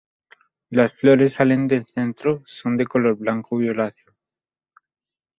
Las flores salen del centro, y son de color blanco violáceo.